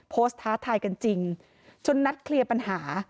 ท้าทายกันจริงจนนัดเคลียร์ปัญหา